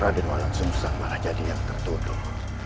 raden woyang sungsang malah jadi yang tertuduh